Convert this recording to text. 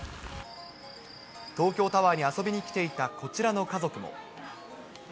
東京タワーに遊びに来ていたこちらの家族も。